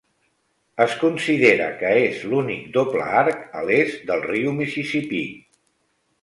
Es considera que és l'únic doble arc a l'est del riu Mississippi.